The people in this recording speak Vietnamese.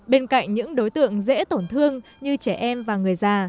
bên cạnh những đối tượng dễ tổn thương như trẻ em và người già